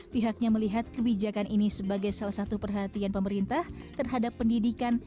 pihaknya melihat kebijakan ini sebagai salah satu perhatian pemerintah terhadap pendidikan